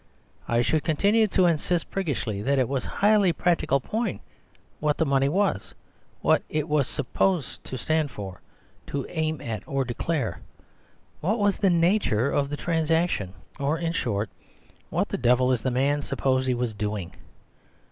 I should continue to insist, priggishly, that it was a highly practical point what the money was; what it was supposed to stand for, to aim at or to declare; what was the nature of the transaction; or, in short, what the devil the man supposed he was doing.